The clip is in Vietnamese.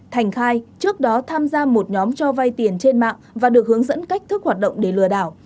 thành khai trước đó tham gia một nhóm cho vay tiền trên mạng và được hướng dẫn cách thức hoạt động để lừa đảo